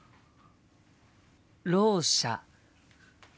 ろう者。